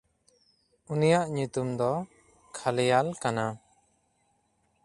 ᱩᱱᱤᱭᱟᱜ ᱧᱩᱛᱩᱢ ᱫᱚ ᱠᱷᱟᱞᱮᱭᱟᱞ ᱠᱟᱱᱟ᱾